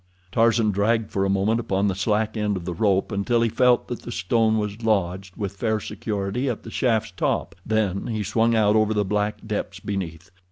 Tarzan dragged for a moment upon the slack end of the rope until he felt that the stone was lodged with fair security at the shaft's top, then he swung out over the black depths beneath.